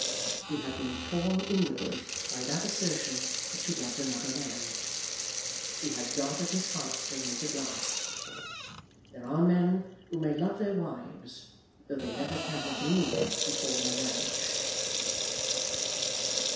He had been torn inwardly by that assertion that she loved another man. She had got at his heart strings at last. There are men who may love their wives, though they never can have been in love before their marriage.